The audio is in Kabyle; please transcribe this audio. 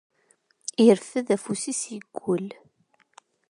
Irfed afus-is, iggull.